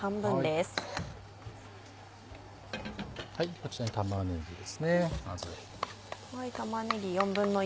こちらに玉ねぎですねまず。